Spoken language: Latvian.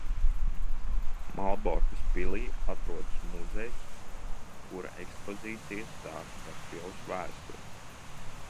Malborkas pilī atrodas muzejs, kura ekspozīcija stāsta par pils vēsturi.